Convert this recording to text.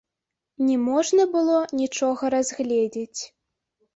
Не можна было нічога разгледзець.